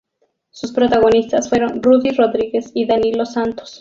Sus protagonistas fueron Ruddy Rodríguez y Danilo Santos.